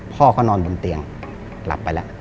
พ่อก็นอนบนเตียงหลับไปแล้ว